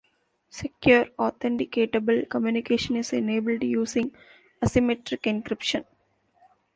Secure, authenticatable communication is enabled using asymmetric encryption.